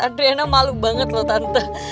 adriana malu banget loh tante